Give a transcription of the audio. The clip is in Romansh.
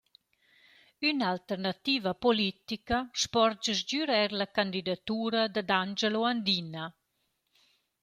Ün’alternativa politica spordscha sgüra eir la candidatura dad Angelo Andina.